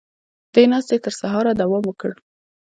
دې ناستې تر سهاره دوام وکړ.